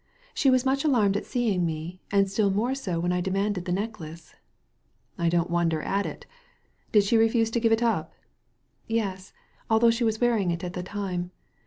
She was much alanned at seeing me, and still more so when I demanded the necklace/' '^I don't wonder at it. Did she refuse to give it up?" Yes ; although she was wearing it at the time.